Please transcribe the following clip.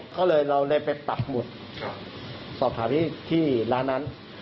ก็เลยเราได้ไปตัดหมุดสอบถามที่ร้านนั้น